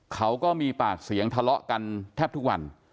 เขาก็มีปากเสียงทะเลาะกันแทบทุกวัน